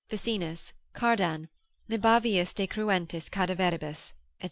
Ficinus, Cardan, Libavius de cruentis cadaveribus, &c.